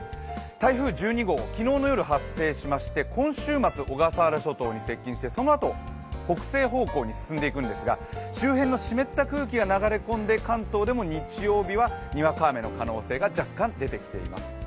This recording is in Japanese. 台風１２号、昨日の夜発生しまして今週末、小笠原諸島に接近してそのあと北西方向に進んでいくんですが周辺の湿った空気が流れ込んで関東でも日曜日は、にわか雨の可能性が若干出てきています。